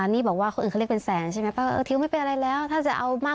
นี่บอกว่าคนอื่นเขาเรียกเป็นแสนใช่ไหม